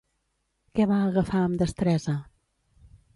Què va agafar amb destresa?